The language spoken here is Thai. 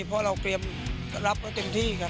เพราะเราเตรียมรับไว้เต็มที่ครับ